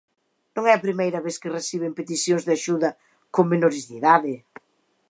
Non é a primeira vez que reciben peticións de axuda con menores de idade.